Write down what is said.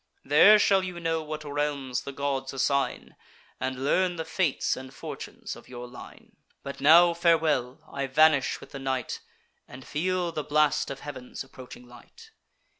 There shall you know what realms the gods assign, And learn the fates and fortunes of your line. But now, farewell! I vanish with the night, And feel the blast of heav'n's approaching light."